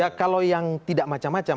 ya kalau yang tidak macam macam